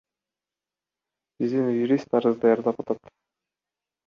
Биздин юрист арыз даярдап атат.